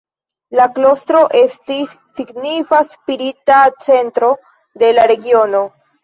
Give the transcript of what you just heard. La klostro estis signifa spirita centro de la regiono.